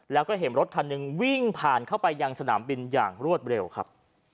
แล้วก็เห็นรถคันหนึ่งวิ่งผ่านเข้าไปยังสนามบินอย่างรวดเร็วครับ